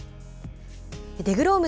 デグローム